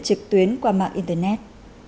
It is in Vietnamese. trực tuyến qua mạng internet